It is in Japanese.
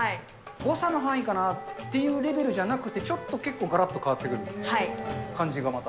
誤差の範囲かなっていうレベルじゃなくて、ちょっと結構、がらっと変わってくるみたいな感じがまた。